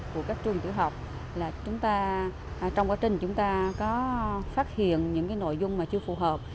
của các trường tiểu học là chúng ta trong quá trình chúng ta có phát hiện những nội dung mà chưa phù hợp